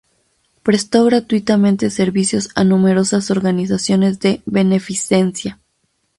Prestó gratuitamente servicios a numerosas organizaciones de beneficencia.